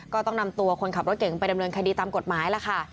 ก็ต้องนำตัวคนขับรถเก่งไปดำเนินคดีตามกฎหมายล่ะค่ะ